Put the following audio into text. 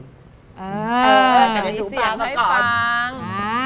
อย่างนี้เสียงให้ฟัง